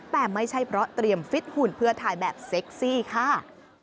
แต่ไม่ใช่เพราะเตรียมฟิตหุ่นเพื่อถ่ายแบบเซ็กซี่ค่ะ